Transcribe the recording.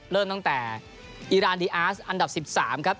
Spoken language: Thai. เริ่มตั้งแต่อีรานดีอาร์สอันดับ๑๓ครับ